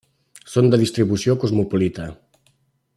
Són de distribució cosmopolita.